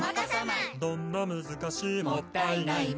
「どんな難しいもったいないも」